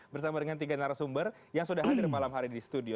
bersama dengan tiga narasumber yang sudah hadir malam hari di studio